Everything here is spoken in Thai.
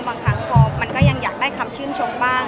บางครั้งพอมันก็ยังอยากได้คำชื่นชมบ้าง